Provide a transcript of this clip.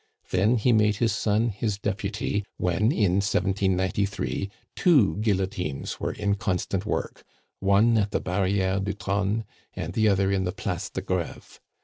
Then he made his son his deputy when, in 1793, two guillotines were in constant work one at the Barriere du Trone, and the other in the Place de Greve.